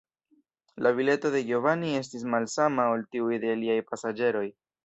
La bileto de Giovanni estis malsama ol tiuj de aliaj pasaĝeroj.